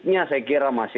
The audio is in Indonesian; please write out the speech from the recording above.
juga model komunikasi publik